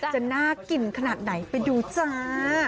จะน่ากินขนาดไหนไปดูจ้า